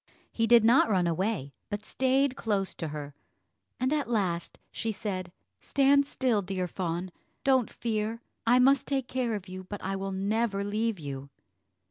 He did not run away, but stayed close to her; and at last she said, "Stand still, dear fawn; don't fear, I must take care of you, but I will never leave you."